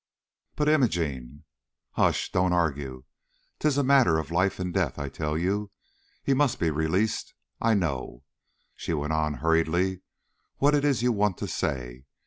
"But, Imogene " "Hush! don't argue. 'Tis a matter of life and death, I tell you. He must be released! I know," she went on, hurriedly, "what it is you want to say.